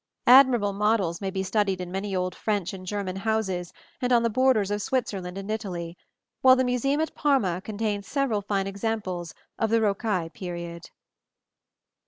Admirable models may be studied in many old French and German houses and on the borders of Switzerland and Italy; while the museum at Parma contains several fine examples of the rocaille period.